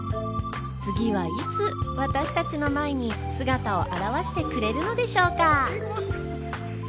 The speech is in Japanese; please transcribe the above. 次はいつ私たちの前に姿を現してくれるのでしょうか？